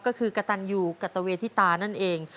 ก็คือกระตันยูกัตเวทิตานั่นเอง